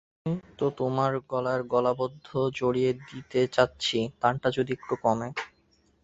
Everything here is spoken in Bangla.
সেইজন্যেই তো তোমার গলায় গলাবদ্ধ জড়িয়ে দিতে চাচ্ছি– তানটা যদি একটু কমে।